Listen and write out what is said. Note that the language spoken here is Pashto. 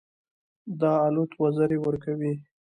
د الوت وزرې ورکوي.